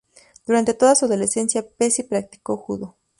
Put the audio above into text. Durante toda su adolescencia Pesci practicó judo.